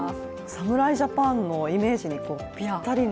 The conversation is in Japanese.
侍ジャパンのイメージにぴったりな。